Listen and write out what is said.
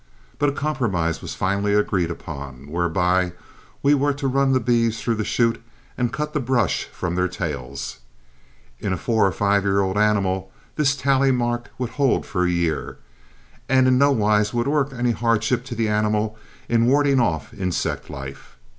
But a compromise was finally agreed upon, whereby we were to run the beeves through the chute and cut the brush from their tails. In a four or five year old animal this tally mark would hold for a year, and in no wise work any hardship to the animal in warding off insect life.